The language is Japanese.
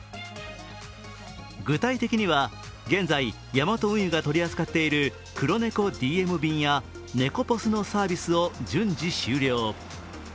具体的には現在、ヤマト運輸が取り扱っているクロネコＤＭ便やネコポスのサービスを順次終了。